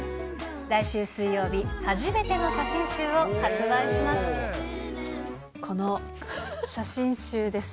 来週水曜日、初めての写真集を発売します。